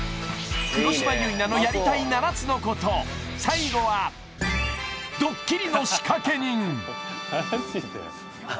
黒島結菜のやりたい７つのこと最後はドッキリの仕掛け人！